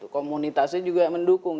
komunitasnya juga mendukung